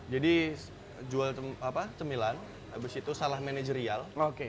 jadi jual cemilan abis itu salah manajerial